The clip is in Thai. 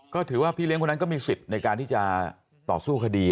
ก็ถือว่าพี่เลี้ยคนนั้นก็มีสิทธิ์ในการที่จะต่อสู้คดี